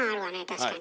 確かに。